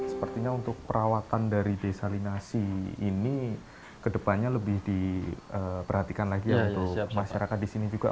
sepertinya untuk perawatan dari desalinasi ini kedepannya lebih diperhatikan lagi ya untuk masyarakat di sini juga